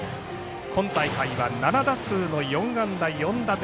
今大会は７打数の４安打４打点。